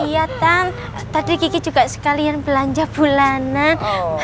iya kan tadi kiki juga sekalian belanja bulanan